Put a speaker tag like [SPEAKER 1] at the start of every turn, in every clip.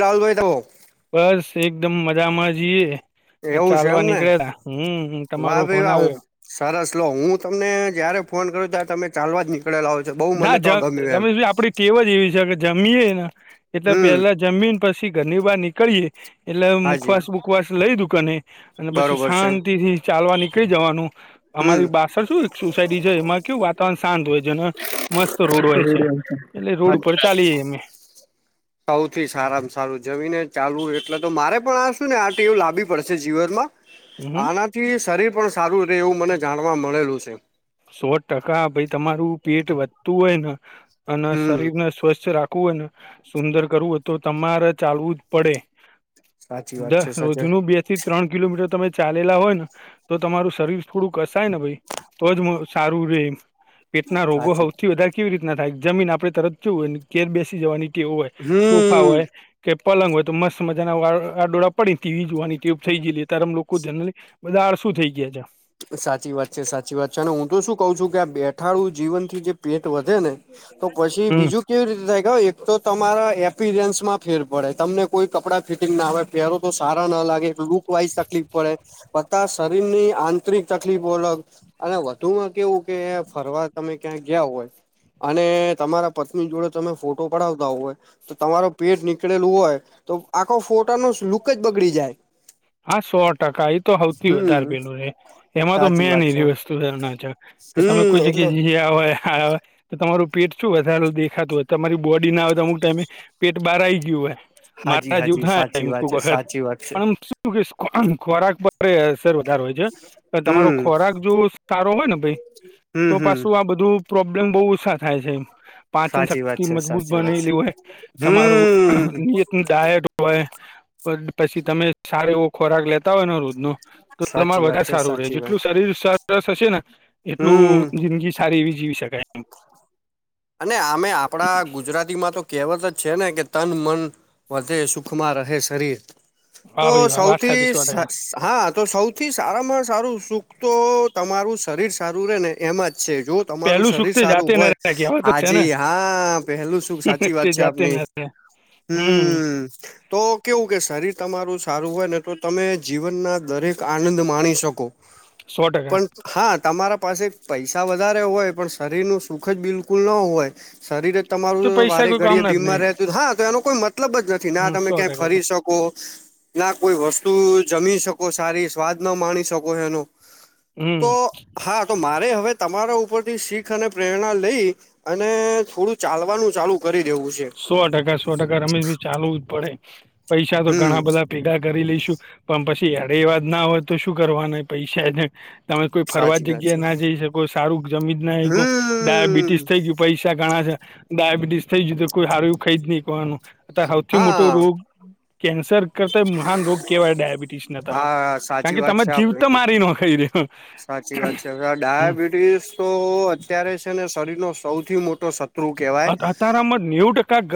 [SPEAKER 1] લાલભાઈ તો
[SPEAKER 2] બસ એકદમ મજામાં છીએ ને
[SPEAKER 1] એવું છે
[SPEAKER 2] ચાલવા
[SPEAKER 1] એમને
[SPEAKER 2] નીકળેલા હમ
[SPEAKER 1] વાહ
[SPEAKER 2] તમારો
[SPEAKER 1] ભાઈ
[SPEAKER 2] ફોન
[SPEAKER 1] વાહ હું
[SPEAKER 2] આયો
[SPEAKER 1] સરસ લો હું તમને જયારે ફોન કરું ત્યારે તમે ચાલવા જ ની કળેલા હોય છે બઉ
[SPEAKER 2] ના
[SPEAKER 1] મને
[SPEAKER 2] જ
[SPEAKER 1] તો આ ગમ્યું એમ
[SPEAKER 2] રમેશભાઈ આપડી ટેવ જ એવી છે કે જમીયએ ને એટલે
[SPEAKER 1] હમ
[SPEAKER 2] પેલા જમીન પછી ઘરની બહાર નીકળીએ એટલે
[SPEAKER 1] હાજી
[SPEAKER 2] મુખવાસ બુખવાસ લઈ દુકને અને પછી
[SPEAKER 1] બરોબર છે
[SPEAKER 2] શાંતિથી ચાલવા નીકળી જવાનું
[SPEAKER 1] હમ
[SPEAKER 2] અમારી પાસળ શું એક સોસાયટી છે એમાં કેવું વાતાવરણ શાંત હોય છે ને
[SPEAKER 1] [unintelligible]
[SPEAKER 2] રોડ
[SPEAKER 1] અચ્છા
[SPEAKER 2] ઉપર
[SPEAKER 1] અચ્છા
[SPEAKER 2] ચાલીએ અમે
[SPEAKER 1] સૌથી સારામાં સારું જમી ને ચાલુ એટલે તો મારે પણ આશું ને આ ટીવ લાભી પડશે જીવન માં.
[SPEAKER 2] હમ
[SPEAKER 1] આનાથી શરીર પણ સારું રહે, એવું મને જાણવા મળેલું છે.
[SPEAKER 2] સો ટકા, ભાઈ તમારું પેટ વધતું હોયને, અને
[SPEAKER 1] હમ
[SPEAKER 2] શરીરને સ્વસ્થ રાખ કુ હોયને, સુંદર કરવું હોય, તો તમારે ચાલવું જ પડે.
[SPEAKER 1] સાચી વાત
[SPEAKER 2] દ
[SPEAKER 1] છે સાચે
[SPEAKER 2] રોજનું બે થી ત્રણ કિલોમીટર તમે ચાલેલા હોય ને, તો તમારું શરીર થોડું કસાય ને ભાઈ. તો જ મ સારું રે, પેટના રોગો
[SPEAKER 1] સાચી
[SPEAKER 2] હૌથી વધાર કેવી રીતના થાય, જમીન આપડે તરત જયું હોયને, ઘેર બેસી જવાની ટેવ હોય, સોફા
[SPEAKER 1] હમ
[SPEAKER 2] હોય. કે પલંગ હોય તો મસ્ત મજા ના અ આડોડા પડી ને તીવી જોવાની ટેવ થઈ ગઈલી ત્યારેમ લોકો જનરલી. બધા આળસુ થઈ ગયા છે.
[SPEAKER 1] સાચી વાત છે, સાચી વાત છે, અને હું તો શું કઉ છું કે, આ બેઠાડું જીવનથી જે પેટ વધે ને તો પછી
[SPEAKER 2] હમ
[SPEAKER 1] બીજું કેવી રીતે થાય ખબર, એક તો તમારા એપિરયન્સમાં ફેર પડે, તમને કોઈ કપડાં ફિટિંગ ના આવેય પેરુતો સારા ન લાગે, લુક વાઈઝ તકલીફ પડે, બધા શરીરની આન તેરી તકલીફો અલગ, અને વધુમાં કેવું કે ફરવા તમે ક્યાં ગયા હોય. અને તમારા પત્ની જોડે તમે ફોટો પડાવતા હોય. તો તમારો પેટ નીકળેલું હોય, તો આખો ફોટા નો લુકજ બગડી જાય.
[SPEAKER 2] હા સો ટકા એ તો હોઉથી
[SPEAKER 1] હમ
[SPEAKER 2] વધારે પેલું એ એમાં તો
[SPEAKER 1] સાચી
[SPEAKER 2] મેન
[SPEAKER 1] વાત છે
[SPEAKER 2] એવી વસ્તુ ના છે, કે તમે
[SPEAKER 1] હમ
[SPEAKER 2] કોઈ
[SPEAKER 1] એટલે
[SPEAKER 2] જગ્યા જઈ રિયા હોય આ હોય તો તમારું પેટ શું વધારેું દેખાતું હોય, તમારી બોડી ના હોય તો અમુક ટાઈમે પેટ બહારઈ આઈ ગયું હોય,
[SPEAKER 1] હાજી હાજી સાચી વાત છે
[SPEAKER 2] માથા
[SPEAKER 1] સાચી વાત છે
[SPEAKER 2] [unintelligible] તું ક એ ખોરાક બર એસ તર વધારે હોય છે, પણ તમારો
[SPEAKER 1] હમ
[SPEAKER 2] ખોરાક જો સારો હોય ને ભાઈ
[SPEAKER 1] હમ
[SPEAKER 2] તો
[SPEAKER 1] હમ
[SPEAKER 2] પાછું આ બધું પ્રોબ્લેમ બહુ ઓસા થાય છે. પાચન
[SPEAKER 1] સાચી વાત
[SPEAKER 2] શક્તિ
[SPEAKER 1] છે
[SPEAKER 2] મજબૂત
[SPEAKER 1] સાચી વાત છે
[SPEAKER 2] બનેલી હોય, તમારું
[SPEAKER 1] હમ
[SPEAKER 2] નિયત્ન ડાયટ હોય, પણ પછી તમે સારો એવો ખોરાક લેતા હોય ને રોજ નુ, તો તમાર
[SPEAKER 1] સાચી વાત
[SPEAKER 2] વધારે
[SPEAKER 1] છે
[SPEAKER 2] સારું રહે,
[SPEAKER 1] સાચી વાત
[SPEAKER 2] જેટલું શરીર સરસ હશેને,
[SPEAKER 1] હમ
[SPEAKER 2] એટલું જિંદગી સારી એવી જીવી શકાય.
[SPEAKER 1] અને આમે આપણા ગુજરાત તી માતો કહેવત જ છે ને, કે તન મન વધે સુખમાં રહે શરીર
[SPEAKER 2] વાહ
[SPEAKER 1] તો
[SPEAKER 2] ભાઈ વાહ વાત
[SPEAKER 1] સૌથી
[SPEAKER 2] સાચી સો
[SPEAKER 1] સ
[SPEAKER 2] ટકા
[SPEAKER 1] સ હા તો સૌથી સારામાં સારું સુખ તો તમારું શરીર સારું રે ને એમાં જ છે, જો તમારું
[SPEAKER 2] પેલું સુખ
[SPEAKER 1] શરીર
[SPEAKER 2] તે
[SPEAKER 1] સારું
[SPEAKER 2] જાતે ન
[SPEAKER 1] હોય.
[SPEAKER 2] રહે કહેવત જ છે ને
[SPEAKER 1] હજી હા પેલું શુંખ સાચી વાત
[SPEAKER 2] તે
[SPEAKER 1] છે
[SPEAKER 2] જાતે ન
[SPEAKER 1] આપની,
[SPEAKER 2] રહે હમ
[SPEAKER 1] હમ્મ તો કેવું કે શરીર તમારું સારું હોય ને તો તમે જીવનના દરેક આનંદ માણી શકો.
[SPEAKER 2] સો ટકા
[SPEAKER 1] પણ હા, તમારા પાસે પૈસા વધારે હોય, પણ શરીર નુ સુખજ બિલકુલ ન હોય. શરીર રે
[SPEAKER 2] તો
[SPEAKER 1] તમારું
[SPEAKER 2] પૈસા
[SPEAKER 1] વારે
[SPEAKER 2] કોઈ
[SPEAKER 1] ઘડીયે
[SPEAKER 2] કામના જ
[SPEAKER 1] બીમાર
[SPEAKER 2] નહી
[SPEAKER 1] રહેતું, હા તો એનો કોઈ મતલબ જ નથી, ના
[SPEAKER 2] હમ
[SPEAKER 1] તમે
[SPEAKER 2] સો
[SPEAKER 1] ક્યાંય
[SPEAKER 2] ટકા
[SPEAKER 1] ફરી શક કો ના કોઈ વસ્તુ જમી શકો સારી, સ્વાદ ન માણી શકો એનો. તો
[SPEAKER 2] હમ્મ
[SPEAKER 1] હા તો મારે હવે તમારા ઉપરથી શીખ અને પ્રેરણા લઈ અને ફુલ ચાલવાનું ચાલુ કરી દેવું છે.
[SPEAKER 2] સો ટકા, સો ટકા, રમેશ ભઈ ચાલવું જ પડે, પૈસા તો
[SPEAKER 1] હમ
[SPEAKER 2] ઘણા બધા ભેગા કરી લઈશું, પણ પછી અદેવાદ ના હોય તો શું કરવાના એ પૈસા ને તમે કોઈ ફરવા
[SPEAKER 1] સાચી વાત છે
[SPEAKER 2] જગ્યા ના જઈ શકો સારું જમીજ ના હયકો
[SPEAKER 1] હમ
[SPEAKER 2] ડાયાબિટીસ થઈ ગયું. પૈસા ઘણા છે ડાયાબિટીસ થઈ જયુ કોઈ હારું ખાઈ જ નહી કરવાનું સૌથી મોટો
[SPEAKER 1] હા
[SPEAKER 2] રોગ. કેન્સર. કત મહાન રોગ કેહેવાય ડાયાબિટીસ ના તરફ,
[SPEAKER 1] હા
[SPEAKER 2] કારણ
[SPEAKER 1] સાચી
[SPEAKER 2] કે
[SPEAKER 1] વાત
[SPEAKER 2] તમે
[SPEAKER 1] છે આપડી
[SPEAKER 2] જીવતો મારી નોખે ઈ તો
[SPEAKER 1] સાચી વાત છે, હવે આ ડાયાબિટી તો અત્યારે છે ને શરીર નો સૌથી મોટો સ
[SPEAKER 2] અત અતારામાં નેવું ટકા ગ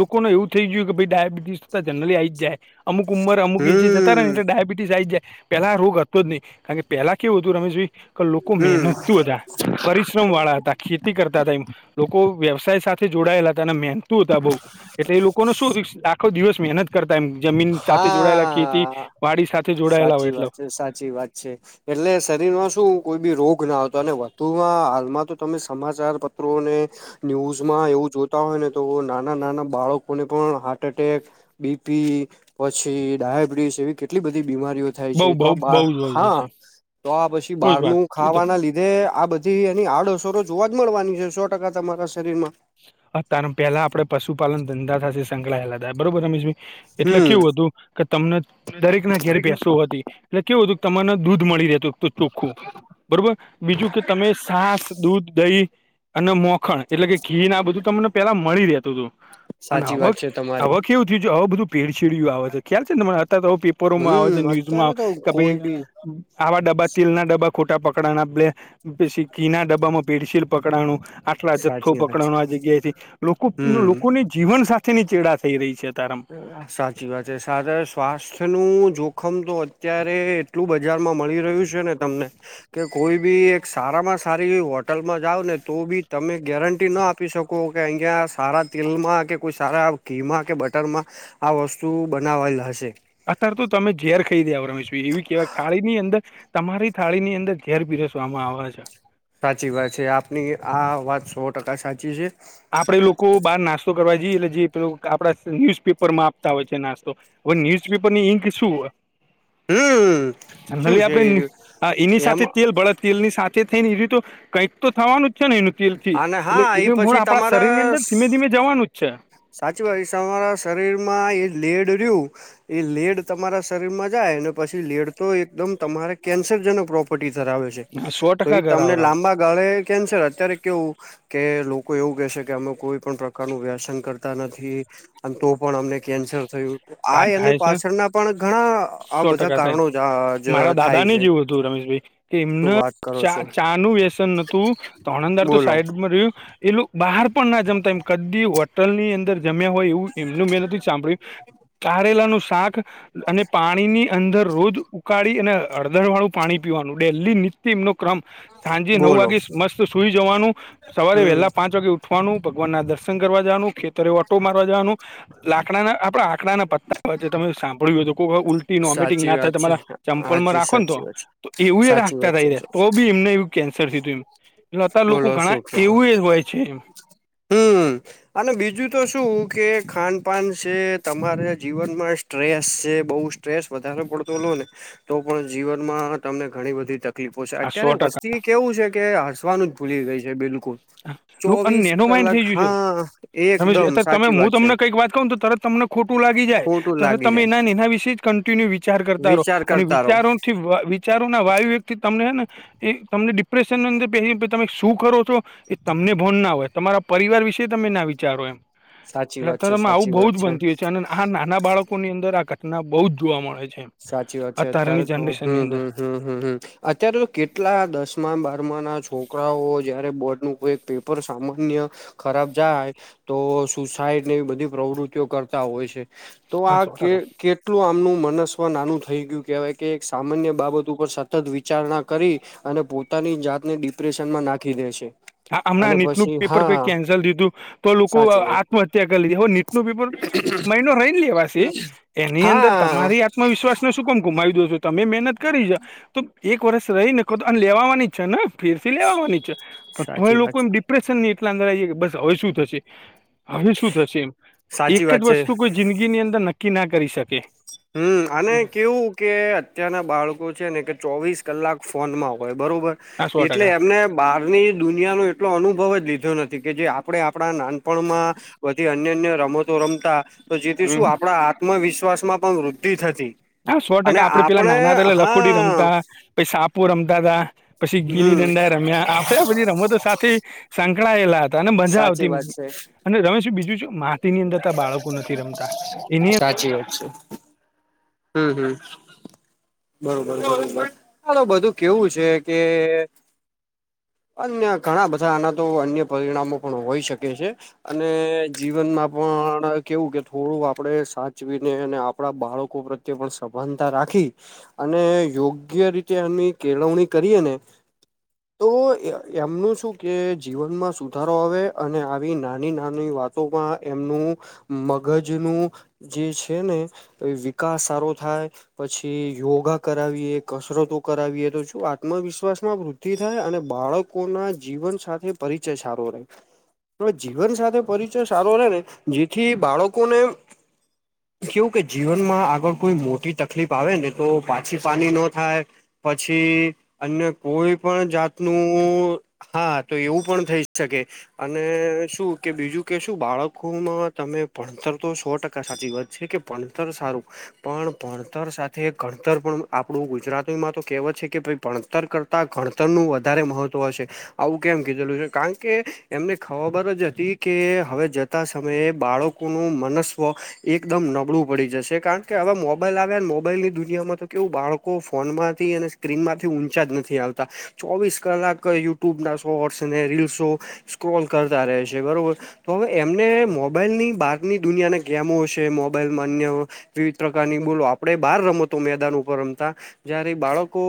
[SPEAKER 2] લોકોને એવું થઈ ગયું કે ભાઈ ડાયાબિટીસ તો જનરલી આવીજ જાહે, અમુક ઉંમર અમુક એજે અત્યારે
[SPEAKER 1] હમ
[SPEAKER 2] ડયાબિટીસ આઇ જાય પેલા આ રોગ હતો જ નહી કા કે પેલા કેવું હતું રમેશભાઈ. લોકો
[SPEAKER 1] હમ
[SPEAKER 2] મહેનત તું હતા પરિશ્રમ વાળા હતા ખેતી કરતા હતા એમ. લોકો વ્યવસાય સાથે જોડાયેલા હતા અને મહેનતું હતા બઉ એટલે એ લોકો ન શું આખો દિવસ મહેનત કરતા એમ જમીન સાથે જોડાયેલા ખેતી
[SPEAKER 1] હા
[SPEAKER 2] વાડી સાથે જોડાયેલા
[SPEAKER 1] સાચી
[SPEAKER 2] હોય એટલો.
[SPEAKER 1] વાત છે સાચી વાત છે. એટલે શરીરમાં શું કોઈ બી રોગ ના આવતો અને વધુમાં હાલમાં તો તમે સમાચારપત્રોને ન્યૂઝમાં એવું જોતા હોય ને તો નાના નાના બાળકોને પણ હાર્ટ એટેક બીપી પછી ડયાબિટીસ એવી કેટલી બધી બીમારીઓ થાય
[SPEAKER 2] બઉ
[SPEAKER 1] છે તો
[SPEAKER 2] બઉ
[SPEAKER 1] બા
[SPEAKER 2] બઉ જ હોય
[SPEAKER 1] હા
[SPEAKER 2] છે
[SPEAKER 1] તો આ પછી
[SPEAKER 2] કોઈ જ વાત
[SPEAKER 1] બારનું ખાવાના લીધું‌. એ આ બધી એની આડઅસરો જોવા જ મળવાની છે સો ટકા તમારા શરીર માં.
[SPEAKER 2] અ તાર પેલા આપડ પશુપાલન ધંધા થ સંકળાયેલા થ બરોબર રમેશભાઈ. એટલે
[SPEAKER 1] હમ
[SPEAKER 2] કેવું હતું કે તમને દરેક ના ઘેરે ભૈસો હતી. એટલે કેવું હતું તમને દૂધ મળી રે. તો ચોખ્ખું બરોબર બીજું કે તમે સાસ દૂધ દહી. અને મોખણ એટલે કે ઘીન આ બધું તમને પેલા મળી રહેતું હતું. અને
[SPEAKER 1] સાચી વાત
[SPEAKER 2] આવક
[SPEAKER 1] છે તમારી
[SPEAKER 2] આવક એવું થયું છે હવે બધું ભેડછીડયું આવે છે ક્યાં થી તમારે છે ને તો. પરોમાં આવે જો
[SPEAKER 1] હમ અત્યારે
[SPEAKER 2] ન્યુઝમાં
[SPEAKER 1] તો
[SPEAKER 2] કબી.
[SPEAKER 1] કોઈ બી
[SPEAKER 2] આવા ડબ્બા તિલ ના ડબ્બા ખોટા પકડાના પલે પછી ઘિ ના ડબ્બામાં ભેડસેલ. પકડાડુ આટલા જથ્થો
[SPEAKER 1] સાચી વાત
[SPEAKER 2] પકડા
[SPEAKER 1] છે
[SPEAKER 2] આ જગ્યાથી લોકો
[SPEAKER 1] હમ
[SPEAKER 2] લોકોને. જીવન સાથેની ચેડા થઈ રહી છે અ તારમ.
[SPEAKER 1] સાચી વાત છે સાદર સ્વાસ્થ્યનું જોખમ તો અત્યારે એટલું બજારમાં મળી રહ્યું છે ને તમને. કે કોઈ બી એક સારામાં સારી હોટલમાં જાાવ ને તો બી તમે ગેરંટી ના આપ. આપી શકો કે અહિયાં સારા તેલમાં કે કોઈ સારા ઘીમાં કે બ. હોટલમાં આ વસ્તુ બનાવાયલ હશે.
[SPEAKER 2] અત્યારે તો તમે ઝેર ખાઈ રયા હોએ રમેશભાઈ એવી કેવાય થાળી ની અંદર. તમારી થાળી ની અંદર ઘેર પીરસવામાં આવે છે.
[SPEAKER 1] સાચી વાત છે આપની આ વાત સો ટકા સાચી છે.
[SPEAKER 2] આપડે લોકો બહાર નાસ. તો કરવા જઈ જે પેલું આપણા ન્યુઝપેપર માં આપતા હોય છે નાસ્તો. હવે ન્યુઝપેપરની ઈંક શું
[SPEAKER 1] હમ શું
[SPEAKER 2] જનરલી
[SPEAKER 1] છે
[SPEAKER 2] આપડે એની
[SPEAKER 1] એ એમ
[SPEAKER 2] સાથે તેલ બળત. તેલ ની સાથે થઈને એવી તો કંઈક તો થવાનું જ છે ને. તેલથી
[SPEAKER 1] અને હા એ પછી તમારા.
[SPEAKER 2] મેં જવાનું જ છે.
[SPEAKER 1] સાચી વાત તમારા શરીર માં એ લેડ રહ્યું. એ લેડ તમારા શરીર માં જાય પછી લેડ તો એકદમ તમારે કેન્સરજનક પ્રોપર્ટી ધરાવે છે.
[SPEAKER 2] હા સો
[SPEAKER 1] તો એ
[SPEAKER 2] ટકા
[SPEAKER 1] તમને
[SPEAKER 2] ઘરાવરાવ
[SPEAKER 1] લાંબા. ગાળે કેન્સર અત્યારે કેવું કે લોકો એવું કે છે કે અમે કોઈ પણ પ્રકાર નું વ્યસન કર. કરતા નથી અને તો પણ અમને કેન્સર થયું. આ
[SPEAKER 2] થાય
[SPEAKER 1] એની
[SPEAKER 2] થાય છે
[SPEAKER 1] પાછળના પણ ઘણા આ
[SPEAKER 2] સો
[SPEAKER 1] બધા
[SPEAKER 2] ટકા થાય
[SPEAKER 1] કારણો જ જ
[SPEAKER 2] મારા દાદા
[SPEAKER 1] થાય
[SPEAKER 2] ને
[SPEAKER 1] છે.
[SPEAKER 2] જેવું હતું રમેશભાઈ કે
[SPEAKER 1] શું
[SPEAKER 2] એમને
[SPEAKER 1] વાત કરો
[SPEAKER 2] ચા
[SPEAKER 1] છો
[SPEAKER 2] ચા નું વ્યસન નોતું તોણંદાર તો
[SPEAKER 1] બોલો
[SPEAKER 2] સાઈડ રહ્યું. એલું બહાર પણ ના જમતા એમ કદી હોટલ ની અંદર જમ્યા હોય એવું એમનું મેં નથી સાંભળ્યું. લા નું શાક અને પાણીની. અંદર રોજ ઉકાળી અને હળદર વાળું પાણી પીવાનું ડેલી ની. નો ક્રમ સાંજે નવ
[SPEAKER 1] બોલો
[SPEAKER 2] વાગે મસ્ત સુઈ જવાનું સવારે
[SPEAKER 1] હમ
[SPEAKER 2] વહેલા પાંચ વાગે. ઉઠવા નું ભગવાન ના દર્શન કરવા જવાનું ખેતરો ઓટો મારવા જવાનું લાકડા ના આપડા. પતા તમે સાંભળ્યું કોઈ ઉલટી વોમિટિંગ
[SPEAKER 1] સાચી
[SPEAKER 2] ના થાય
[SPEAKER 1] વાત છે
[SPEAKER 2] તમારા ચંપલમાં
[SPEAKER 1] હાજી
[SPEAKER 2] રાખો ને તો.
[SPEAKER 1] સાચી વાત છે
[SPEAKER 2] તો એવું એ
[SPEAKER 1] સાચી
[SPEAKER 2] રાખતા
[SPEAKER 1] વાત
[SPEAKER 2] થાય ર
[SPEAKER 1] છે
[SPEAKER 2] તો. બી એમને એવું કેન્સર થિવ તું એમ એલે અત્યારે લોકો
[SPEAKER 1] બોલો
[SPEAKER 2] ઘણા
[SPEAKER 1] શું કેવ
[SPEAKER 2] એવું હોય છે એમ.
[SPEAKER 1] હમ અને બીજું તો શું કે ખાન પાાન છે તમારા જીવનમાં. સ્ટ્રેસ છે બહુ સ્ટ્રેસ વધારે પડતો લો ને તો પણ જીવનમાં તમને ઘણી બધી તક. તકલીફો છે
[SPEAKER 2] આ સો
[SPEAKER 1] અત્યારે
[SPEAKER 2] ટકા
[SPEAKER 1] વસ્તી કેવું છે કે હસવાનું જ ભૂલી ગઈ છે બિલકુલ.
[SPEAKER 2] અને
[SPEAKER 1] ચોવીસ
[SPEAKER 2] નેનો માઇન્ડ થઈ
[SPEAKER 1] કલાક
[SPEAKER 2] ગયું છે
[SPEAKER 1] હા
[SPEAKER 2] રમેશભાઈ
[SPEAKER 1] એકદમ
[SPEAKER 2] અત્યારે તમે
[SPEAKER 1] સાચી
[SPEAKER 2] હું
[SPEAKER 1] વાત છે
[SPEAKER 2] તમને કઈક વાત કું ને તો તરત તમને. ખોટું લાગી જાય
[SPEAKER 1] ખોટું
[SPEAKER 2] ત
[SPEAKER 1] લાગી
[SPEAKER 2] તમે
[SPEAKER 1] જાય
[SPEAKER 2] એના એના વિશે જ કન્ટિન્યુ વિચાર કરતા રહો
[SPEAKER 1] વિચાર
[SPEAKER 2] અને
[SPEAKER 1] કરતા રહો
[SPEAKER 2] વિચારો. વિચારો ના વાયુ વ્યક્તિ તમને હે ને. એ તમને ડિપ્રેશનની અંદર પ તમે શું કરો છો. એ તમને ભોન ના હોય તમારા પરિવાર વિશે તમે ના વિચારો એમ.
[SPEAKER 1] સાચી વાત છે
[SPEAKER 2] લતારમાં આવું
[SPEAKER 1] સાચી
[SPEAKER 2] બહુ
[SPEAKER 1] વાત
[SPEAKER 2] જ બનતી હોય છે અને. આ નાના બાળકોની અંદર આ ઘટના બહુ જ જોવા મળે છે.
[SPEAKER 1] સાચી વાત છે અત્યારે
[SPEAKER 2] અત્યારની
[SPEAKER 1] તો
[SPEAKER 2] જનરેશનની
[SPEAKER 1] હમ હમ.
[SPEAKER 2] અંદર
[SPEAKER 1] હમ હમ હમ અત્યારે તો કેટલા દસમા બારમા ના છોકરાઓ. જયારે બોર્ડ નું કોઈ પેપર સામાન્ય ખરાબ જાય. તો સુસાઈડની એવી બધી પ્રવૃત્તિઓ કરતા હોય છે. તો
[SPEAKER 2] હા
[SPEAKER 1] આ
[SPEAKER 2] સો
[SPEAKER 1] કે
[SPEAKER 2] ટકા
[SPEAKER 1] કેટલું આમનું મનસ. નાનું થઈ ગયું કહેવાય કે એક સામાન્ય બાબત ઉપર સતત વિચારણા કરી. અને પોતાની જાતને ડિપ્રેશનમાં નાખી દે છે.
[SPEAKER 2] હા
[SPEAKER 1] અને
[SPEAKER 2] હમણાં નીટનું
[SPEAKER 1] પછી
[SPEAKER 2] પેપર કઈ
[SPEAKER 1] હા
[SPEAKER 2] કેન્સલ થીધું તો લોકો
[SPEAKER 1] સાચી વાત
[SPEAKER 2] આત્મહત્યા કરી લીધી હો. ટપલ મહિનો રન લેવાસી એની અંદર
[SPEAKER 1] હા
[SPEAKER 2] તમારી આ. વિશ્વાસ ને શું કેમ ગુમાવી દો છો તમે મહેનત કરી જા તો. એક વર્ષ રહી ને કહ તો અને લેવાની છે ને ફેરથી લેવાવાની છે. પણ તો એ
[SPEAKER 1] સાચી વાત
[SPEAKER 2] લોકો એમ ડિપ્રેશન ની એટલા અંદર આવીાય બસ હવે શું થશે હવે શું થશે એમ.
[SPEAKER 1] સાચી
[SPEAKER 2] એક જ
[SPEAKER 1] વાત છે
[SPEAKER 2] વસ્તુ કોઈ જિંદગીની અંદર નક્કી ના કરી શકે.
[SPEAKER 1] હમ અને કેવું. કે અત્યારના બાળકો છે ને કે ચોવીસ કલાક ફોનમાં હોય બરોબર
[SPEAKER 2] હા સો
[SPEAKER 1] એટલે
[SPEAKER 2] ટકા
[SPEAKER 1] એમને. બહારની દુનિયાનો એટલો અનુભવ જ લીધો નથી કે જે આપણે આપણા નાનપણમાં. બધી અન્ય અન્ય રમતો રમતા. તો જેથી શું
[SPEAKER 2] હમ
[SPEAKER 1] આપણા આત્મવિશ્વાસ માં પણ વૃદ્ધિ થતી.
[SPEAKER 2] હા સો
[SPEAKER 1] અને
[SPEAKER 2] ટકા આપડે પેલા
[SPEAKER 1] આપણે
[SPEAKER 2] નાના હતા એલે લખોડી
[SPEAKER 1] હા
[SPEAKER 2] રમતા પછ સાપુ રમતા હતા. પછી ગીલી
[SPEAKER 1] હમ
[SPEAKER 2] ડંડા એ રમ્યા આપડે બધી રમતો સાથે. સંકળાયેલા હતા ને મજા
[SPEAKER 1] સાચી
[SPEAKER 2] આવતી.
[SPEAKER 1] વાત છે
[SPEAKER 2] અને રમેશ બીજું માટીની અંદર ત બાળકો નથી રમતા એની અંદર.
[SPEAKER 1] સાચી વાત છે. હમ હમ. બરોબરબ ચાલ બધું કેવું છે કે અન્ય ઘણા બધા આના તો અન્ય પરિણામો પણ હોઈ શકે છે. અને જીવનમાં પણ કેવું કે થોડું આપડે સાચવીને અને આપણા બાળકો પ્રત્યે. તે પણ સભાનતા રાખી. અને યોગ્ય રીતે એની કેળવણી કરીએ ને.
[SPEAKER 2] હ
[SPEAKER 1] તો એમનું શું કે જીવનમાં સુધારો આવે અને આવી નાની નાની વાત. એમનું મગજનું જે છે ને વિકાસ. સારો થાય. પછી યોગા કરાવીએ કસરતો કરાવીએ તો શું આત્મવિશ્વાસ માં વૃદ્ધ. થાય અને બાળકો ના જીવન સાથે પરિચય સારો રહે. જીવન સાથે પરિચય સારો રહેે ને જેથી બાળકોને. કેવું કે જીવનમાં આગળ કોઈ મોટી તકલીફ આવે ને તો પાછી પાણી ન થાય. પછી અન્ય કોઈ પણ જાતનું. હા તો એવું પણ થઈ શકે. અને શું કે બીજું કે શું બાળકોમાં તમે ભણતર તો સો ટકા સાચી વાત છે કે. પડિતર સ્રૂખ. પણ ભણતર સાથે ભણતર પણ આપણું ગુજરાતીમાં તો કહેવત છે કે ભાઈ ભણતર કર. ગણતર નું વધારે મહત્વ હશે. આવું કેમ કીધેલું છે કારણ કે એમને ખબર જ હતી કે હવે. આવતા સમયે બાળકોનું મનસ્વ એકદમ નબળું પડી જશે કારણ. કે હવા મોબાઈલ આવ્યા મોબાઈલની દુનિયામાં તો કેવું બાળકો ફોનમાંથી અને સ્ક્રીનમાંથી ઊંચા જ નથી આવતા. ચોવીસ કલાક યુટ્યુબ ના શોર્ટસ અને રીલ્સો સ્ક્રોલ કરતા રહે છે બરોબર. તો હવે એમને મોબાઈલ ની બહારની દુનિયાના ગેમો છે મોબાઈલ માન્ય. વિવિધ પ્રકારની બોલો આપણે બહાર રમતો મેદાન ઉપર રમતા જયારે બાળકો.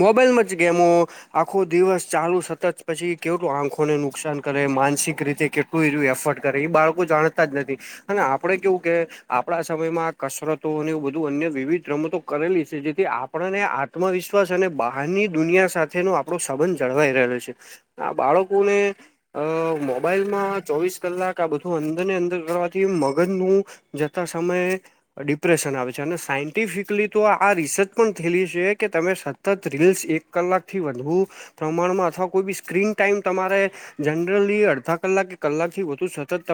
[SPEAKER 1] મોબાઈલમાંચ ગેમું. આખો દિવસ ચાલુ સતત પછી કેલું આંખોને નુકસાન કરે માનસિક રીતે કે. કોઈ એફોર્ટ કરે એ બાળકો જાણતા જ નથી અને આપડે કેવું કે. આપણા સમયમાં આ કસરતો અને એવ બધું અન્ય વિવિધ રમતો કરેલી છે જેથી. આપણને આત્મવિશ્વાસ અને બહારની દુનિયા સાથેનો આપણો સંબંધ જળવાઈ રહલો છે. આ બાળકો ને. અ મોબાઈલ માં ચોવીસ કલાક આ બધું અંદર ને અંદર કરવાથી મગજનુંું. જથ સમય. ડિપ્રેશન આવે છે અને સાયન્ટિફિકલી તો આ રિસર્ચ પણ થયેલી છે કે તમે. સતત રીલ્સ એક કલાકથી વધુ પ્રમાણમાં અથવા કોઈ બી સ્ક્રીન ટાાઈમ તમારે. જનરલી અડધા કલાક કલાક થી વધુ સતત.